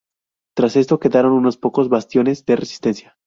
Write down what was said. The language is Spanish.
Tras esto quedaron unos pocos bastiones de resistencia.